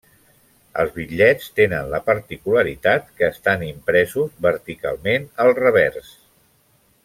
Els bitllets tenen la particularitat que estan impresos verticalment al revers.